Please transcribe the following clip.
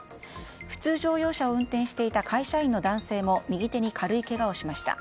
普通乗用車を運転していた会社員の男性も右手に軽いけがをしました。